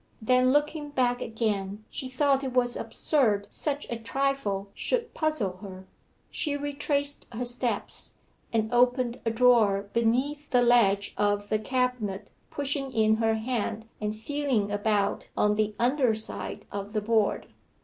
Then looking back again she thought it was absurd such a trifle should puzzle her. She retraced her steps, and opened a drawer beneath the ledge of the cabinet, pushing in her hand and feeling about on the underside of the board.